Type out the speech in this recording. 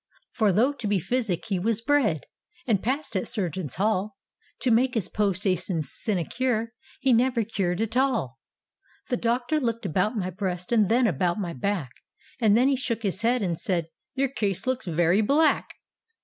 For though to physic he was bred, And passed at Surgeons' Hall, To make his post a sinecure, He never cured at all I " The Doctor looked about my breast And then about my back, And then he shook his head and said, ' Your case looks very black.'